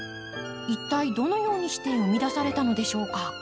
一体どのようにして生み出されたのでしょうか。